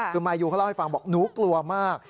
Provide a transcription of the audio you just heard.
คือมายูเขาเล่าให้ฟังบอกหนูกลัวมาก